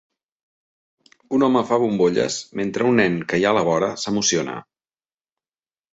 Un home fa bombolles, mentre un nen que hi ha a la vora s'emociona.